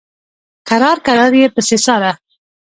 کرار کرار یې پسې څاره.